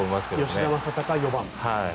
吉田正尚、４番。